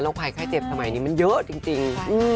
ภัยไข้เจ็บสมัยนี้มันเยอะจริง